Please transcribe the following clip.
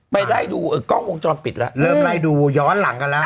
ไล่ดูกล้องวงจรปิดแล้วเริ่มไล่ดูย้อนหลังกันแล้ว